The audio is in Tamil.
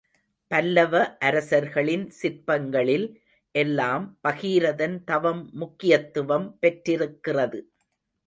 பல்லவ அரசர்களின் சிற்பங்களில் எல்லாம் பகீரதன் தவம் முக்கியத்துவம் பெற்றிருக்கிறது.